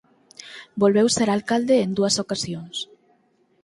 Volveu ser alcalde en dúas ocasións.